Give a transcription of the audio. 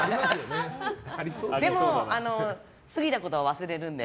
でも、過ぎたことは忘れるので。